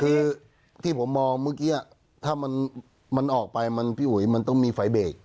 คือที่ผมมองเมื่อกี้ถ้ามันออกไปมันต้องมีไฟเบรก